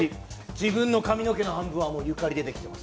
自分の髪の毛の半分はもうゆかりでできています。